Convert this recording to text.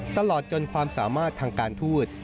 ตลอดจนความสามารถทางการทูต